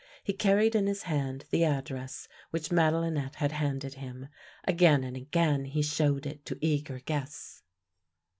He carried in his hand the address which Madelinette had handed him. Again and again he. showed it to eager guests.